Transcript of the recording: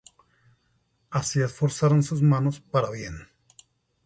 Así esforzaron sus manos para bien.